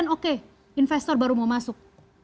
oke investor baru mau masuk